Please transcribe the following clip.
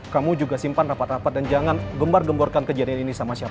kamu juga simpan rapat rapat dan jangan gembar gemborkan kejadian ini sama siapa